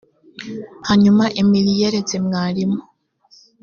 hanyuma emily yeretse mwarimu